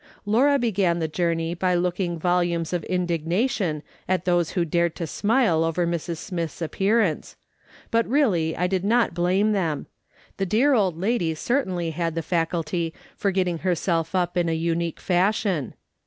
Laura began the journey by looking volumes of indignation at those who dared to smile over Mrs. Smith's appearance , but really I did not blame them : the dear old lady certainly had the faculty for getting herself up in a unique fashion.